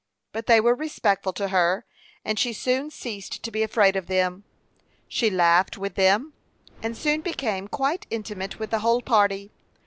But they were respectful to her, and she soon ceased to be afraid of them. She laughed with them, and soon became quite intimate with the whole party.